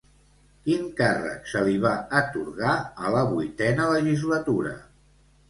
Quin càrrec se li va atorgar a la vuitena legislatura?